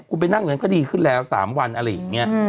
คุณไปนั่งอย่างนั้นก็ดีขึ้นแล้ว๓วันอะไรอย่างนี้